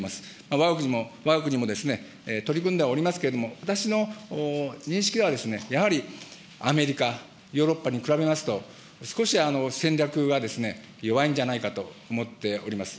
わが国も、わが国もですね、取り組んではおりますけれども、私の認識では、やはりアメリカ、ヨーロッパに比べますと、少し戦略が弱いんじゃないかと思っております。